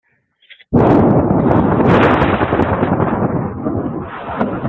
C'est une première pour un navire de cette taille.